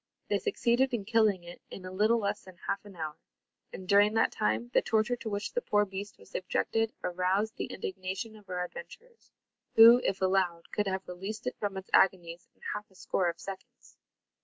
They succeeded in killing it in a little less than half an hour; and, during that time, the torture to which the poor beast was subjected aroused the indignation of our adventurers, who, if allowed, could have released it from its agonies in half a score of seconds.